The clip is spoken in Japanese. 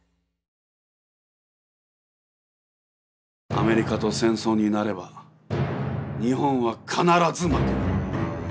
アメリカと戦争になれば日本は必ず負ける。